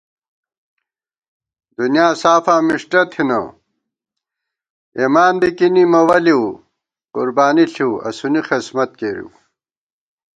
دُنیاسافاں مِݭٹہ تھنہ، اېمان بِکِنی مہ وَلِؤ، قربانی ݪِؤ اسُونی خسمت کېرِؤ